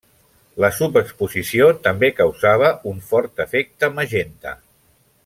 La subexposició també causava un fort efecte magenta.